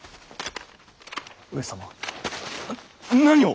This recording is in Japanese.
上様何を。